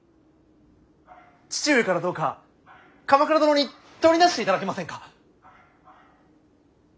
父上からどうか鎌倉殿にとりなしていただけませんか。